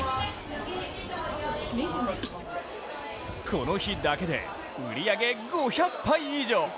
この日だけで売り上げ５００杯以上。